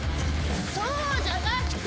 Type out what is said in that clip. そうじゃなくて！